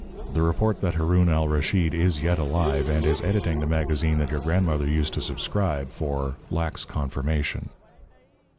The report that Haroun Al Raschid is yet alive and is editing the magazine that your grandmother used to subscribe for lacks confirmation.